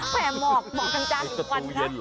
แผ่นหมอกหมอกกันจากหลุมฟันค่ะ